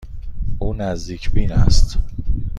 او نزدیک بین است.